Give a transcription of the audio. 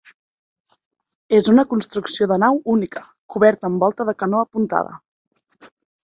És una construcció de nau única, coberta amb volta de canó apuntada.